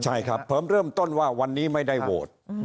ใช่ครับผมเริ่มต้นว่าวันนี้ไม่ได้โหวต